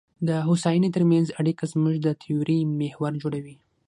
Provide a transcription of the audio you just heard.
د هوساینې ترمنځ اړیکه زموږ د تیورۍ محور جوړوي.